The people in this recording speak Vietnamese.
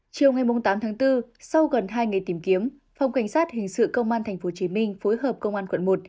chiều ngày tám tháng bốn sau gần hai ngày tìm kiếm phòng cảnh sát hình sự công an tp hcm phối hợp công an quận một